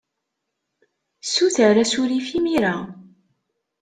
Ssuter asaruf imir-a.